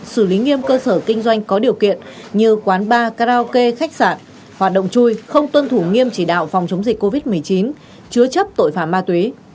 xử lý nghiêm cơ sở kinh doanh có điều kiện như quán bar karaoke khách sạn hoạt động chui không tuân thủ nghiêm chỉ đạo phòng chống dịch covid một mươi chín chứa chấp tội phạm ma túy